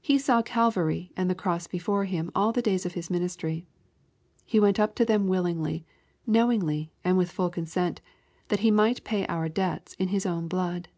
He saw Calvary and the cross before Him all the days of His ministry. He went up to them willingly, knowingly, and with fuU consent, that He might pay our debts in His own blood.